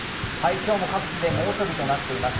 今日も各地で猛暑日となっています。